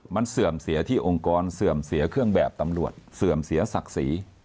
มันเสื่อมเสียที่องค์กรเสื่อมเสียเครื่องแบบตำรวจเสื่อมเสียศักดิ์ศรี